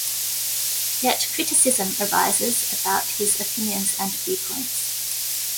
Yet criticism arises about his opinions and viewpoints.